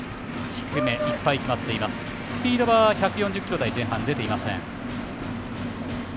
スピードは１４０キロ台前半、出ていません。